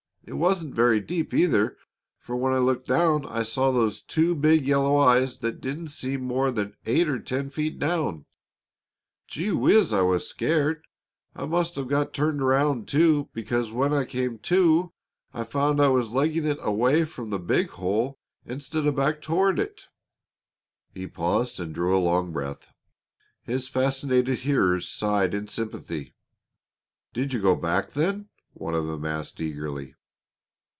It wasn't very deep, either, for when I looked down I saw those two big yellow eyes that didn't seem more than eight or ten feet down. Gee whiz! I was scared. I must have got turned around, too; because, when I came to, I found I was legging it away from the big hole instead of back toward it." He paused and drew a long breath; his fascinated hearers sighed in sympathy. "Did you go back then?" one of them asked eagerly.